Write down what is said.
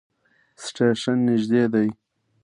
سټیشن نژدې دی